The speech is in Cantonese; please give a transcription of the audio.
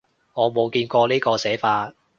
我冇見過呢個寫法